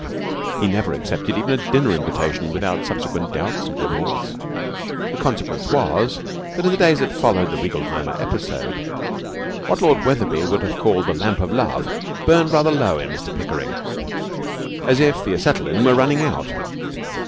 He never accepted even a dinner invitation without subsequent doubts and remorse. The consequence was that, in the days that followed the Reigelheimer episode, what Lord Wetherby would have called the lamp of love burned rather low in Mr Pickering, as if the acetylene were running out.